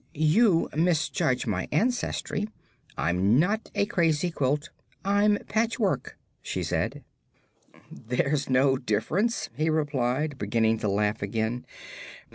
"You misjudge my ancestry. I'm not a crazy quilt; I'm patchwork," she said. "There's no difference," he replied, beginning to laugh again.